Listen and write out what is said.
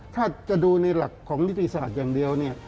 ถ้าจะดูในหลักของนิติศาสตร์อย่างเดียวเนี่ย